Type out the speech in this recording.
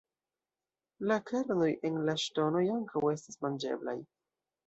La kernoj en la ŝtonoj ankaŭ estas manĝeblaj.